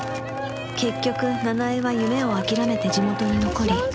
結局奈々江は夢を諦めて地元に残り